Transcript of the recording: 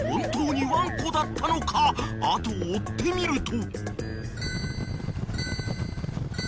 ［後を追ってみると］